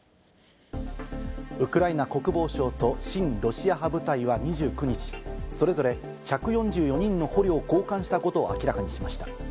ウクライナ国防省と親ロシア派部隊は２９日、それぞれ１４４人の捕虜を交換したことを明らかにしました。